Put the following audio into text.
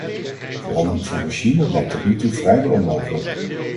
Verandering van regime lijkt tot nu toe vrijwel onmogelijk.